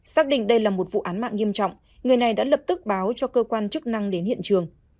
xác định đây là một vụ án mạng nghiêm trọng người này đã lập tức báo cho cơ quan chức năng đến hiện trường